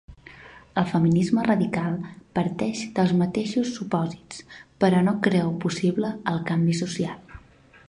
El feminisme radical parteix dels mateixos supòsits, però no creu possible el canvi social.